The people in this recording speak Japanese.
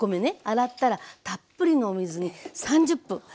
洗ったらたっぷりのお水に３０分。